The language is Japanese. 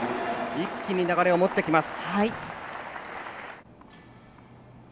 一気に流れを持ってきます。